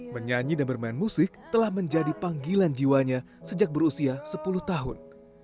menyanyi dan bermain musik telah menjadi panggilan jiwanya sejak berusia sepuluh tahun